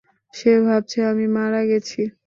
সে ভাবছে আমি মারা গেছি।